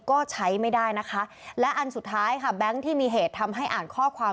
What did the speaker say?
ก็ใช้ไม่ได้นะคะและอันสุดท้ายค่ะแบงค์ที่มีเหตุทำให้อ่านข้อความ